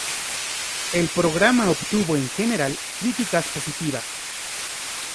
El programa obtuvo en general críticas positivas.